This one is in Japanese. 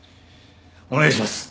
お願いします。